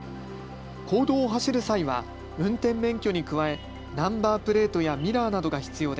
公道を走る際は運転免許に加えナンバープレートやミラーなどが必要で